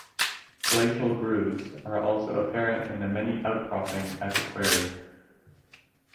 Glacial grooves are also apparent in the many outcropping at the quarry.